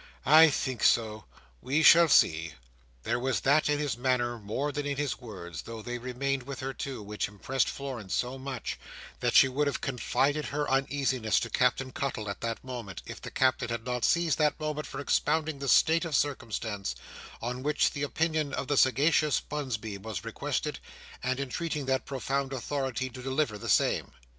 I think so. We shall see." There was that in his manner more than in his words, though they remained with her too, which impressed Florence so much, that she would have confided her uneasiness to Captain Cuttle at that moment, if the Captain had not seized that moment for expounding the state of circumstance, on which the opinion of the sagacious Bunsby was requested, and entreating that profound authority to deliver the same.